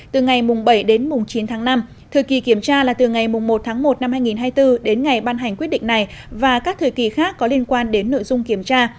từ ngày bảy đến chín tháng năm thời kỳ kiểm tra là từ ngày một tháng một năm hai nghìn hai mươi bốn đến ngày ban hành quyết định này và các thời kỳ khác có liên quan đến nội dung kiểm tra